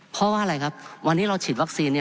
เพราะว่าอะไรครับวันนี้เราฉีดวัคซีน